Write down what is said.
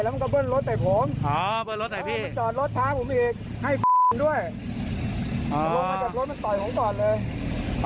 ะลงมาจากรถผมต่อยของก่อนเลย